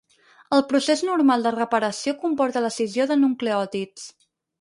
El procés normal de reparació comporta l'escissió de nucleòtids.